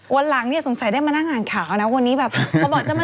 วันหลังเนี่ยสงสัยได้มานั่งอ่านข่าวนะวันนี้แบบเขาบอกจะมา